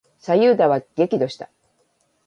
左右田は激怒した。